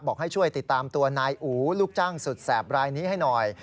บอกให้ช่วยติดตามตัวนายอู๋ลูกจ้างสุดแสบรายนี้ให้หน่อย